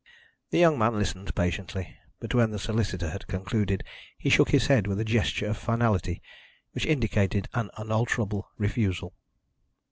The young man listened patiently, but when the solicitor had concluded he shook his head with a gesture of finality which indicated an unalterable refusal.